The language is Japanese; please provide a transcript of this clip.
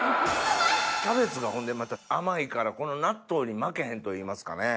キャベツがほんでまた甘いからこの納豆に負けへんといいますかね。